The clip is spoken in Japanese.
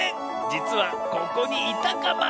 じつはここにいたカマ。